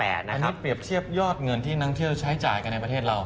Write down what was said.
อันนี้เปรียบเทียบยอดเงินที่นักเที่ยวใช้จ่ายกันในประเทศเรา